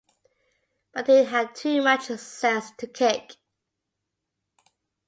But he had too much sense to kick.